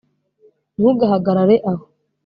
ntugahagarare aho